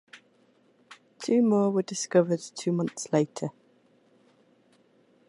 Two more were discovered two months later.